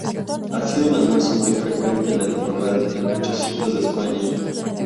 Ha sido un almuerzo muy frecuente en la antigüedad en muchos sitios de España.